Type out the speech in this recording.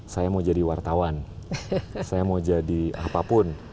saya mau jadi wartawan saya mau jadi apapun